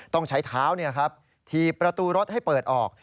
ต้องใช้เท้าถีบประตูรถให้เปิดออก